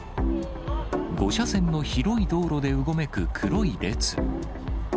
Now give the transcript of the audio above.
５車線の広い道路でうごめく黒い列。